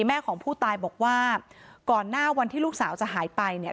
แม่ของผู้ตายบอกว่าก่อนหน้าวันที่ลูกสาวจะหายไปเนี่ย